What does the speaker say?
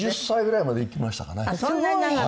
２０歳ぐらいまで生きましたかね。